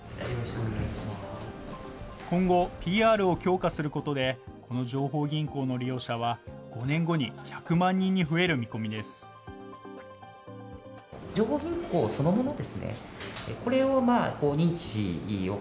今後、ＰＲを強化することで、この情報銀行の利用者は、５年後に１００万人に増える見込みです。